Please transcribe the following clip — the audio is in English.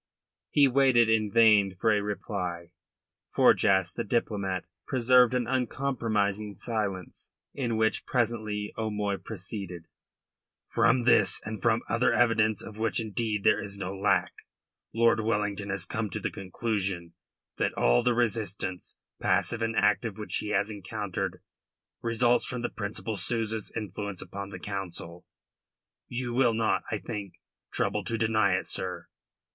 He waited in vain for a reply. Forjas, the diplomat, preserved an uncompromising silence, in which presently O'Moy proceeded: "From this, and from other evidence, of which indeed there is no lack, Lord Wellington has come to the conclusion that all the resistance, passive and active, which he has encountered, results from the Principal Souza's influence upon the Council. You will not, I think, trouble to deny it, sir."